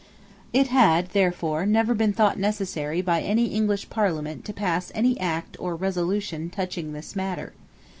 It had therefore never been thought necessary by any English Parliament to pass any Act or resolution touching this matter.